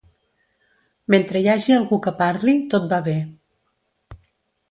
Mentre hi hagi algú que parli, tot va bé.